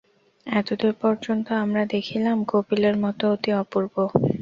এতদূর পর্যন্ত আমরা দেখিলাম, কপিলের মত অতি অপূর্ব।